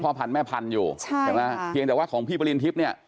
พันธแม่พันธุ์อยู่ใช่ใช่ไหมเพียงแต่ว่าของพี่ปริณทิพย์เนี่ย